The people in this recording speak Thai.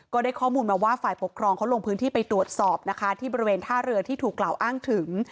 ก็ได้ข้อมูลมาว่าฝ่ายปกครองเขาลงพื้นที่ไปตรวจสอบนะคะที่บริเวณท่าเรือที่ถูกกล่าวอ้างถึง